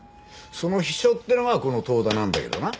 その秘書ってのがこの遠田なんだけどな。